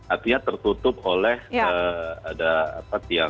artinya tertutup oleh ada apa tiang